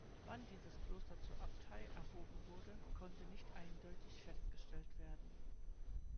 Wann dieses Kloster zur Abtei erhoben wurde, konnte nicht eindeutig festgestellt werden.